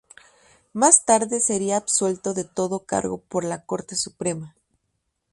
Más tarde sería absuelto de todo cargo por la Corte Suprema.